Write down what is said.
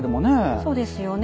そうですよね。